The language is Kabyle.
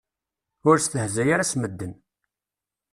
Ur stehzay ara s medden.